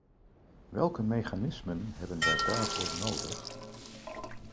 Welke mechanismen hebben wij daarvoor nodig?